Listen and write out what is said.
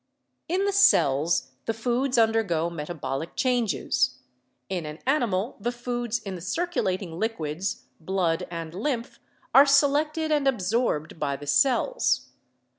In the cells the foods undergo metabolic changes. In an animal the foods in the circulating liquids, blood and lymph, are selected and absorbed by the cells.